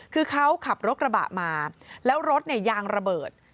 คือเขาขับรถกระบะมาแล้วรถเนี่ยยางระเบิด